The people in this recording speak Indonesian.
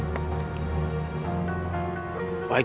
terima kasih kak